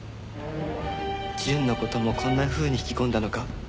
淳の事もこんなふうに引き込んだのか？